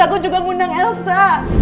aku juga mengundang elsa